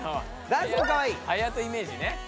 はやとイメージね。